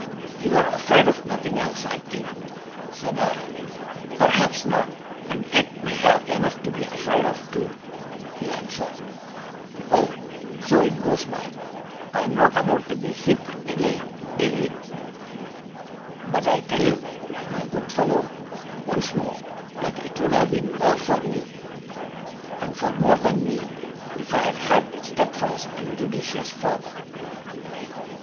'You are afraid of nothing else, I think,' said I. 'Perhaps not, and yet may have enough to be afraid of too,' he answered. 'Well! So it goes by! I am not about to be hipped again, David; but I tell you, my good fellow, once more, that it would have been well for me (and for more than me) if I had had a steadfast and judicious father!